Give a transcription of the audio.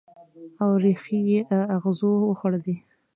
او ریښې یې اغزو وخوړلي